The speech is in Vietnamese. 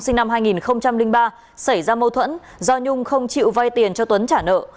sinh năm hai nghìn ba xảy ra mâu thuẫn do nhung không chịu vay tiền cho tuấn trả nợ